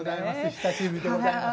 久しぶりでございます。